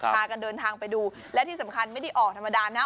พากันเดินทางไปดูและที่สำคัญไม่ได้ออกธรรมดานะ